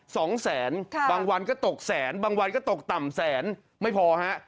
สองแสนค่ะบางวันก็ตกแสนบางวันก็ตกต่ำแสนไม่พอฮะ